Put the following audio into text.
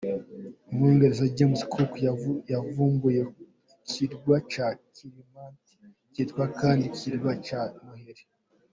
Umwongereza James Cook yavumbuye ikirwa cya Kirimati cyitwa kandi ikirwa cya Noheli.